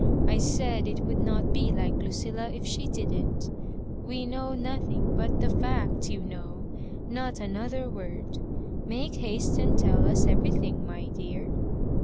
I said it would not be like Lucilla if she didn't We know nothing but the fact^ you know — ^not another word Make haste and tell us every thing, my dear."